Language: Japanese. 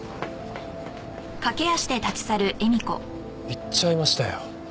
行っちゃいましたよ